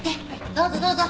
どうぞどうぞ。